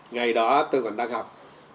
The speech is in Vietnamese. ngày đó tôi còn đang học